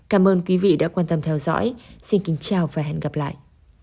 cảm ơn quý vị đã quan tâm theo dõi xin kính chào và hẹn gặp lại